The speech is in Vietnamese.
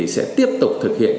sẽ tiếp tục thực hiện